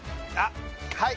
はい！